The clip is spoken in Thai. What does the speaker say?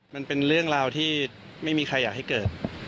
มันเป็นเรื่องราวที่ไม่มีใครอยากให้เกิด